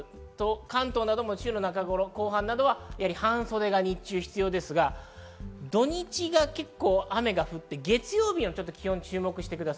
関東なども週の中頃、後半などは半袖が日中必要ですが、土日に雨が降って、月曜日は気温注目です。